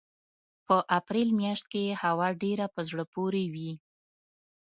په اپرېل مياشت کې یې هوا ډېره په زړه پورې وي.